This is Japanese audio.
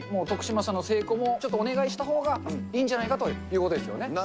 徳島さんの成功もちょっとお願いしたほうがいいんじゃないかということですよね。